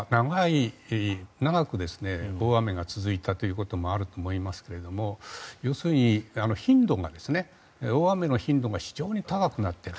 長く大雨が続いたということもあると思いますが要するに、大雨の頻度が非常に高くなっている。